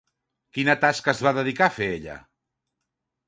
Quina tasca es va dedicar a fer ella?